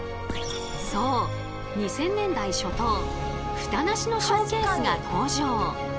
そう２０００年代初頭フタなしのショーケースが登場。